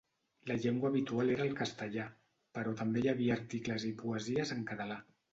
La llengua habitual era el castellà, però també hi havia articles i poesies en català.